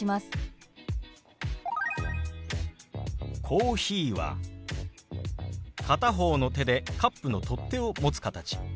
「コーヒー」は片方の手でカップの取っ手を持つ形。